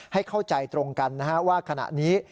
ให้เข้าใจตรงกันว่าขณะนี้